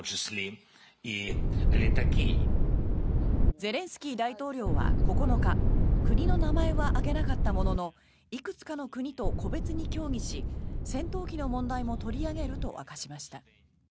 ゼレンスキー大統領は９日国の名前は挙げなかったもののいくつかの国と個別に協議し戦闘機の問題も取り上げると明かしました。